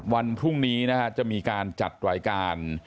วันพรุ่งนี้จะมีการจัดรายการ